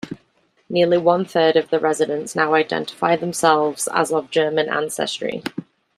Nearly one-third of the residents now identify themselves as of German ancestry.